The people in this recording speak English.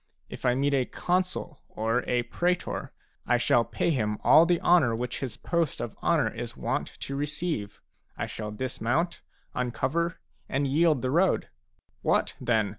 If I meet a consul or a praetor, I shall pay him all the honour which his post of honour is wont to receive : I shall dismount, uncover, and yield the road. What, then?